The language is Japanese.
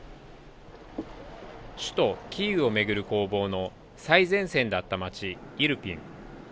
首都キーウをめぐる攻防の最前線だった街、イルピン。